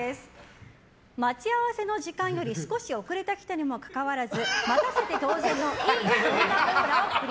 待ち合わせの時間より少し遅れてきたにもかかわらず待たせて当然のいい女感を出す。